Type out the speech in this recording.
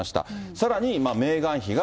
さらに、メーガン妃が。